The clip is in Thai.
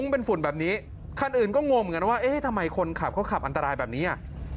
พ่อขับเข้าไกลเท่านั้นเลย